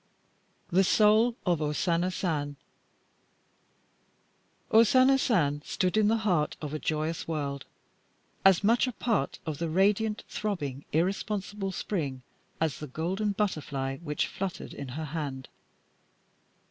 THE SOUL OF O SANA SAN O Sana San stood in the heart of a joyous world, as much a part of the radiant, throbbing, irresponsible spring as the golden butterfly which fluttered in her hand.